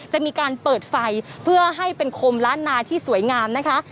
จะมีการเปิดไฟเพื่อให้เป็นคมล้านนาที่สวยงามนะคะ